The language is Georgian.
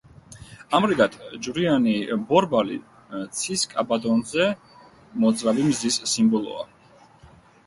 ამრიგად, ჯვრიანი ბორბალი ცის კაბადონზე მოძრავი მზის სიმბოლოა.